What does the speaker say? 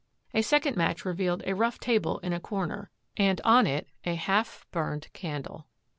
A second match revealed a rough table in a comer, and on it a half burned candle.